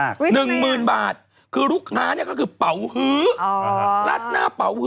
แกนั่งอย่างนี้แล้วลูกค้านั่งอย่างนี้แล้วแกก็ผัด